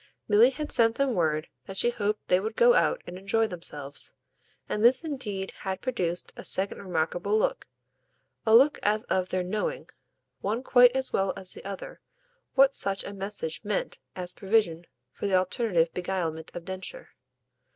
Milly had sent them word that she hoped they would go out and enjoy themselves, and this indeed had produced a second remarkable look, a look as of their knowing, one quite as well as the other, what such a message meant as provision for the alternative beguilement of Densher.